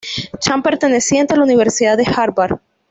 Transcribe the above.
Chan perteneciente a la Universidad de Harvard.